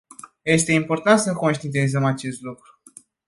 Este important să conștientizăm acest lucru.